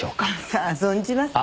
さあ存じませんね。